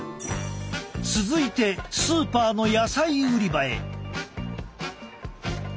続いてスーパーの野菜売り場へ。